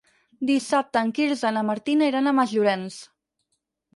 Dissabte en Quirze i na Martina iran a Masllorenç.